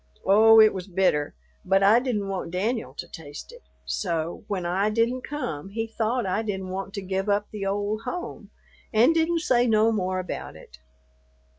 Oh, it was bitter, but I didn't want Danyul to taste it; so, when I didn't come, he thought I didn't want to give up the old home, and didn't say no more about it.